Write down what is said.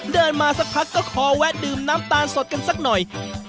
เดินมาสักพักก็ขอแวะดื่มน้ำตาลสดกันสักหน่อย